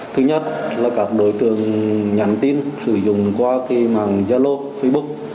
thứ nhất là các đối tượng nhắn tin sử dụng qua mạng giao lô facebook